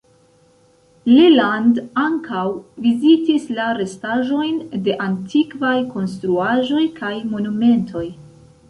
Leland ankaŭ vizitis la restaĵojn de antikvaj konstruaĵoj kaj monumentoj.